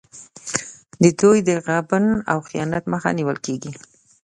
د دوی د غبن او خیانت مخه نیول کېږي.